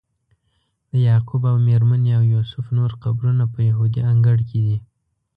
د یعقوب او میرمنې او یوسف نور قبرونه په یهودي انګړ کې دي.